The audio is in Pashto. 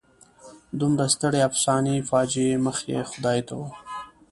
دومره سترې انساني فاجعې مخ یې خدای ته و.